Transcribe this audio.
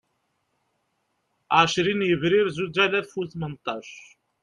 Ɛecrin Yebrir Zuǧ alas u Tmenṭac